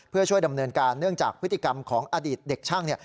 เพื่อช่วยดำเนินการเนื่องจากพฤติกรรมของอดีตเด็กช่าง